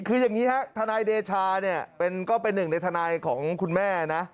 คืออย่างนี้ฮะทนายเดชาเนี่ยก็เป็นหนึ่งในทนายของคุณแม่นะ